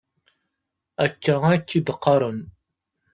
Akka akk i d-qqaren.